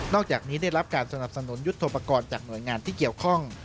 อกจากนี้ได้รับการสนับสนุนยุทธโปรกรณ์จากหน่วยงานที่เกี่ยวข้อง